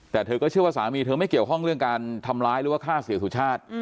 แต่เธอก็เชื่อว่าสามีเธอไม่เกี่ยวข้องเรื่องการทำร้ายหรือว่าฆ่าเสียสุชาติ